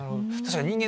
人間